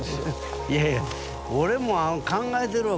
いやいや俺も考えてるわ。